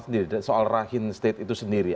sendiri soal rahim state itu sendiri